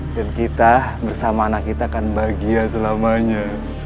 dan kita bersama anak kita akan bahagia selamanya